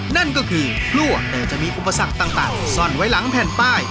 นั่นก็คือพลั่วแต่จะมีอุปสรรคต่างซ่อนไว้หลังแผ่นป้าย